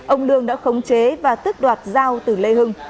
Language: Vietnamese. ông lương đã khống chế và tức đoạt dao từ lê hưng